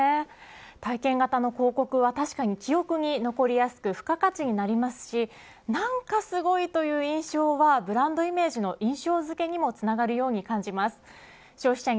体験型の広告は確かに記憶に残りやすく付加価値になりますしなんかすごいという印象はブランドイメージの印象